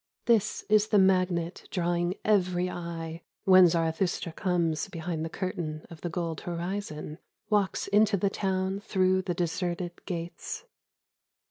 This is the magnet drawing every eye When Zarathustra comes behind the curtain of the gold horizon, Walks into the town through the deserted gates.